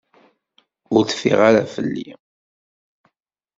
Ur teffiɣ ara fell-i.